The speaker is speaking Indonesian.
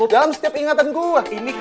dalam setiap ingatan gua